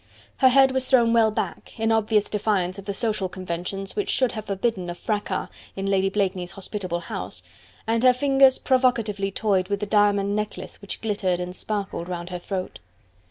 Her head was thrown well back, in obvious defiance of the social conventions, which should have forbidden a fracas in Lady Blakeney's hospitable house, and her fingers provocatively toyed with the diamond necklace which glittered and sparkled round her throat.